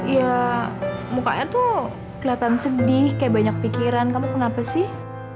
ya mukanya tuh kelihatan sedih kayak banyak pikiran kamu kenapa sih